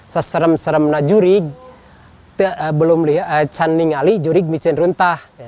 seserem serem na juri belom lia caning ali juri gmincing runtah